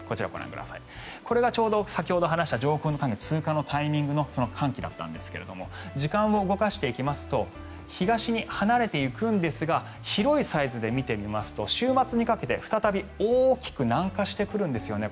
これがちょうど先ほど話した上空の寒気通過のタイミングのその寒気だったんですが時間を動かしていきますと東に離れていくんですが広いサイズで見てみますと週末にかけて、再び大きく南下してくるんですね。